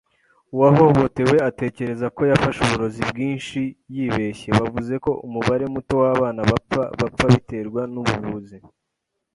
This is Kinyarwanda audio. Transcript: Uwahohotewe atekereza ko yafashe uburozi bwinshi yibeshye. Bavuze ko umubare muto w'abana bapfa bapfa biterwa n'ubuvuzi.